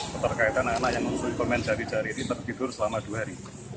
keterkaitan anak anak yang mengusungi permen jari jari ini tergidur selama dua hari